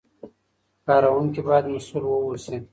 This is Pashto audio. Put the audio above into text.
کاروونکي باید مسوول واوسي.